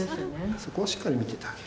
そこをしっかり見ててあげる。